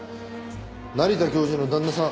成田教授の旦那さん